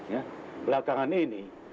ya belakangan ini